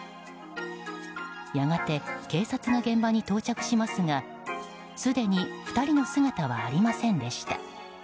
やがて警察が現場に到着しますがすでに２人の姿はありませんでした。